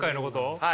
はい。